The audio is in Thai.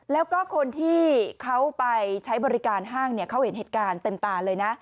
แล้วก็คนที่เขาไปใช้บริการห้างเขาเห็นเหตุการณ์เต็มตาเลยนะ